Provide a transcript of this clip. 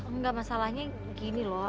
nggak masalahnya gini loh